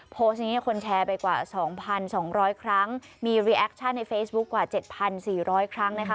โพสต์นี้คนแชร์ไปกว่า๒๒๐๐ครั้งมีรีแอคชั่นในเฟซบุ๊คกว่า๗๔๐๐ครั้งนะคะ